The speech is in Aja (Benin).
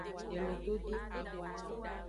Elododo.